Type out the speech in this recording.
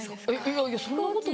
いやいやそんなこと。